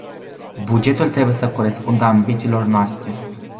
Bugetul trebuie să corespundă ambițiilor noastre.